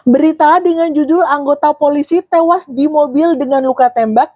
berita dengan judul anggota polisi tewas di mobil dengan luka tembak